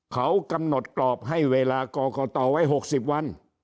เขากำหนดกรอบให้เวลากรกตไว้๖๐วัน